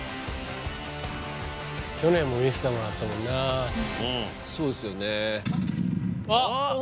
去年も見せてもらったもんなそうですよねあっ！